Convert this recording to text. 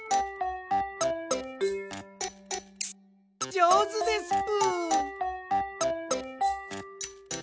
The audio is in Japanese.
じょうずですぷ。